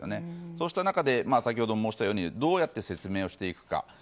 そうした中で先ほど申したようにどうやって説明していくか。